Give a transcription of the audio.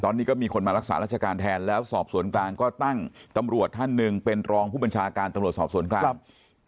ตอนนี้ก็มีคนมารักษาราชการแทนแล้วสอบสวนกลางก็ตั้งตำรวจท่านหนึ่งเป็นรองผู้บัญชาการตำรวจสอบสวนกลาง